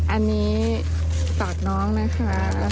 อันนี้ตอบน้องนะคะ